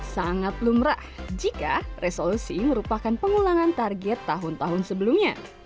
sangat lumrah jika resolusi merupakan pengulangan target tahun tahun sebelumnya